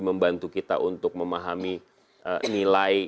membantu kita untuk memahami nilai